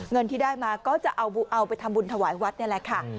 เงินที่ได้มาก็จะเอาไปทำบุญถวายวัดนี่แหละค่ะ